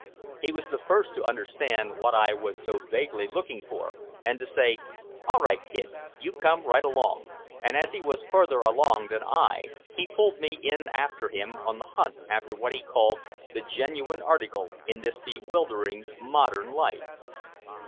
He was the first to understand what I was so vaguely looking for, and to say, "All right, Kid, you come right along." And as he was farther along than I, he pulled me after him on the hunt after what he called "the genuine article" in this bewildering modern life.